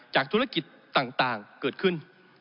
ธุรกิจต่างเกิดขึ้น